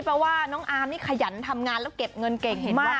เพราะว่าน้องอาร์มนี่ขยันทำงานแล้วเก็บเงินเก่งเห็นว่า